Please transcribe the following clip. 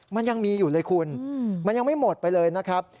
มันยังมีอยู่เลยคุณมันยังไม่หมดไปเลยนะครับ